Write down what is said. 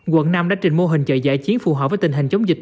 quận năm đã trình mô hình chợ giải chiến phù hợp với tình hình chống dịch